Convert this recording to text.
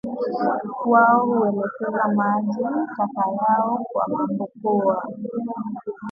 Wao huelekeza maji taka yao kwa mambo poa